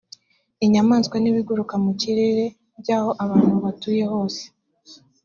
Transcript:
inyamaswa n ibiguruka mu kirere by aho abantu batuye hose